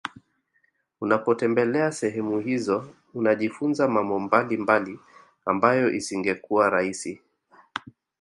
Unapotembelea sehemu hizo unajifunza mambo mbalimbali ambayo isingekuwa rahisi